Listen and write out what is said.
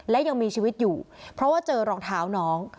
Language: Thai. และยังมีชีวิตอยู่เพราะว่าเจอรองเท้าน้อง